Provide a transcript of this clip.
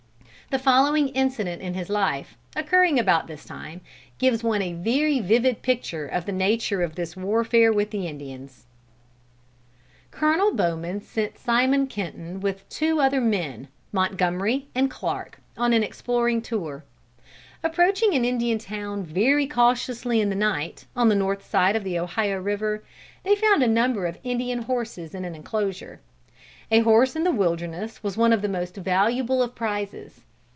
The following incident in his life, occurring about this time, gives one a very vivid picture of the nature of this warfare with the Indians: "Colonel Bowman sent Simon Kenton with two other men, Montgomery and Clark, on an exploring tour. Approaching an Indian town very cautiously in the night, on the north side of the Ohio river, they found a number of Indian horses in an enclosure. A horse in the wilderness was one of the most valuable of prizes.